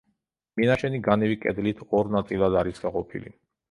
მინაშენი განივი კედლით ორ ნაწილად არის გაყოფილი.